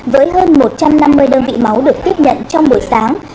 với hơn một trăm năm mươi đơn vị máu được tiếp nhận trong buổi sáng